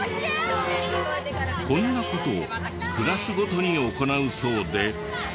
こんな事をクラスごとに行うそうで。